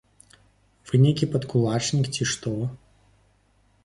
Вы нейкі падкулачнік, ці што?!